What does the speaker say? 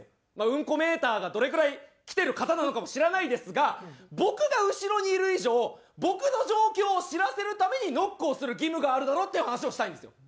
ウンコメーターがどれぐらいきてる方なのかも知らないですが僕が後ろにいる以上僕の状況を知らせるためにノックをする義務があるだろっていう話をしたいんですよ。